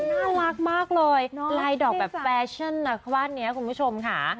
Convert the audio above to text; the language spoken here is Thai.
น่ารักมากเลยลายดอกแบบแฟชั่นว่านนี้คุณผู้ชมค่ะ